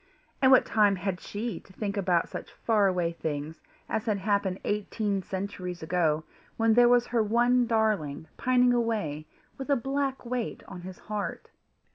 And what time had she to think about such far away things as had happened eighteen centuries ago, when there was her one darling pining away with a black weight on his heart!